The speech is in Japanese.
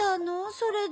それで。